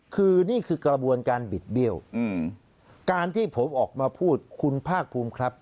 คือนี่คือกระบวนการบิดเบี้ยวการที่ผมออกมาพูดคุณภาคภูมิครับ